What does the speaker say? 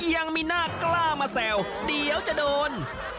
ยังมีหน้ากล้ามาแซวเดี๋ยวจะโดน